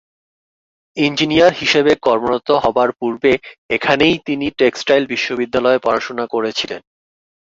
Engineer হিসেবে কর্মরত হবার পূর্বে এখানেই তিনি টেক্সটাইল বিশ্ববিদ্যালয়ে পড়াশোনা করেছিলেন।